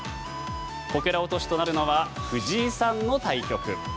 こけら落としとなるのは藤井さんの対局。